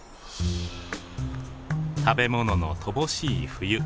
食べ物の乏しい冬。